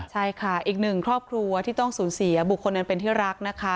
ใช่ค่ะอีกหนึ่งครอบครัวที่ต้องสูญเสียบุคคลอันเป็นที่รักนะคะ